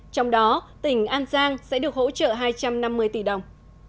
trong đó tỉnh an giang sẽ được hỗ trợ hai trăm năm mươi tỷ đồng